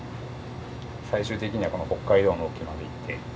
最終的にはこの北海道の沖まで行って。